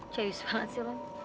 cewek banget sih lo